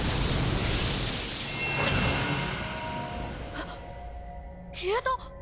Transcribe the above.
えっ消えた！？